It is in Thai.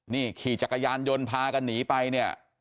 นี่ขี่จักรยานยนต์พากันหนีไปเนี่ย